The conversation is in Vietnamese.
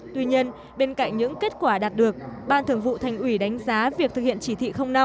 tuy nhiên bên cạnh những kết quả đạt được ban thường vụ thành ủy đánh giá việc thực hiện chỉ thị năm